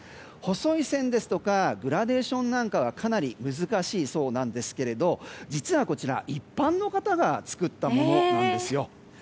細い線ですとかグラデーションなんかがかなり難しいそうなんですけれどこちら、実は一般の方が作ったものなんですよ。